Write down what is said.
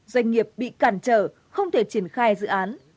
doanh nghiệp bị cản trở không thể triển khai dự án